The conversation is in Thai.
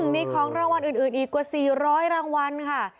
มีของรางวัลอื่นอีกกว่า๔๐๐รางวัลค่ะ